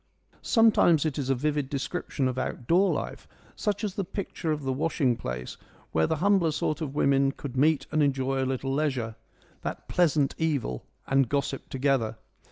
Sometimes it is a vivid description of outdoor life, such as the picture of the washing place, where the humbler sort of women could meet and enjoy a little leisure, ' that pleasant evil,' and gossip together.